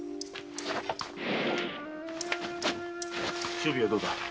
首尾はどうだ？